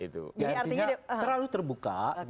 jadi artinya terlalu terbuka